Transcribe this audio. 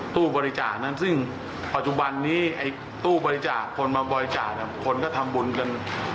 ตู้บริจาคนั้นซึ่งปัจจุบันนี้ไอ้ตู้บริจาคคนมาบริจาคคนก็ทำบุญกัน